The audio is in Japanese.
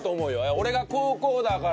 俺が高校だから。